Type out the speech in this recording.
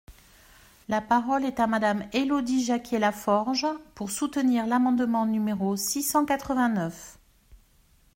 La parole est à Madame Élodie Jacquier-Laforge, pour soutenir l’amendement numéro six cent quatre-vingt-neuf.